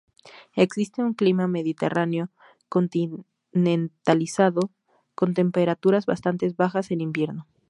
Existe un clima mediterráneo continentalizado, con temperaturas bastante bajas en invierno.